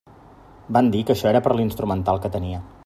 Van dir que això era per l'instrumental que tenia.